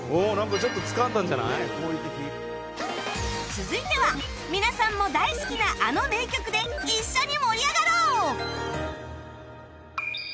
続いては皆さんも大好きなあの名曲で一緒に盛り上がろう！